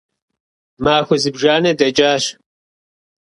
Махуэ зыбжанэ дэкӀащ.